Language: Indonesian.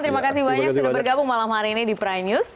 terima kasih banyak sudah bergabung malam hari ini di prime news